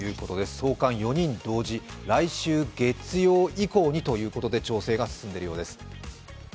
送還４人同時、来週月曜以降ということで調整が進んでいるようです。